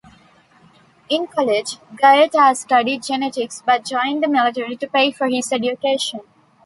In college, Gaeta studied genetics but joined the military to pay for his education.